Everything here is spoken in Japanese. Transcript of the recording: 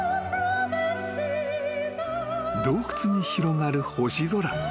［洞窟に広がる星空］